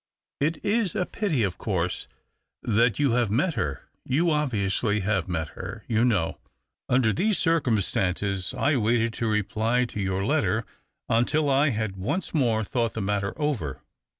It is a pity, of course, that you have met her — you obviously have met her, you know. Under these circumstances I waited to reply to your letter until I had once more thought the matter over.